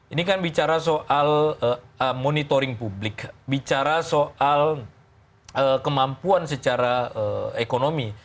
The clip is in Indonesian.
ini kan bicara soal monitoring publik bicara soal kemampuan secara ekonomi